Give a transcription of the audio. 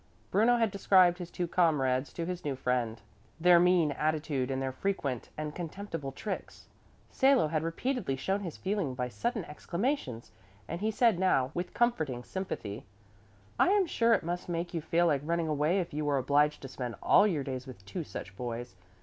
Bruno had described his two comrades to his new friend, their mean attitude and their frequent and contemptible tricks. Salo had repeatedly shown his feeling by sudden exclamations and he said now with comforting sympathy, "I am sure it must make you feel like running away if you are obliged to spend all your days with two such boys.